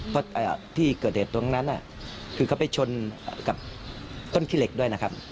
เพราะที่เกิดเหตุตรงนั้นคือเขาไปชนกับต้นขี้เหล็กด้วยนะครับ